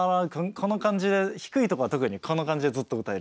この感じで低いとこは特にこんな感じでずっと歌えるっていう。